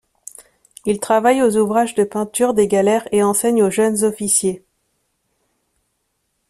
Il travaille aux ouvrages de peinture des galères et enseigne aux jeunes officiers.